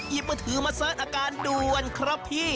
มือถือมาเสิร์ชอาการด่วนครับพี่